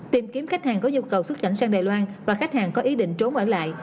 tìm kiếm khách hàng có nhu cầu xuất cảnh sang đài loan và khách hàng có ý định trốn ở lại